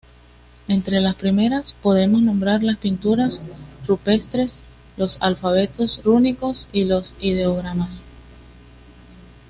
Entre las primeras podemos nombrar las pinturas rupestres, los alfabetos rúnicos y los ideogramas.